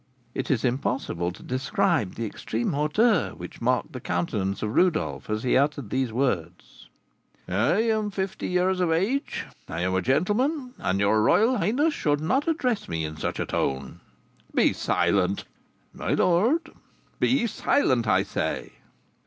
It is impossible to describe the extreme hauteur which marked the countenance of Rodolph as he uttered these words. "I am fifty years of age, I am a gentleman, and your royal highness should not address me in such a tone." "Be silent!" "My lord!" "Be silent! I say."